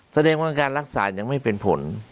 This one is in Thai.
แสดงว่าการรักษายังไม่เป็นผล